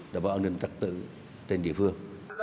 đảm bảo an ninh trật tự trên địa phương